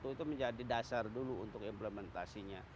itu menjadi dasar dulu untuk implementasinya